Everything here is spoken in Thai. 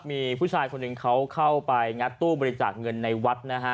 มีผู้ชายคนหนึ่งเขาเข้าไปงัดตู้บริจาคเงินในวัดนะฮะ